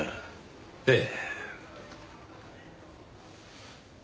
ええ。